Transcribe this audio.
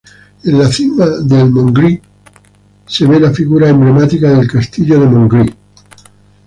En la cima del Montgrí se ve la figura emblemática del castillo de Montgrí.